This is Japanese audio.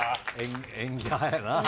演技派やな。